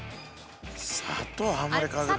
砂糖あんまりかけると。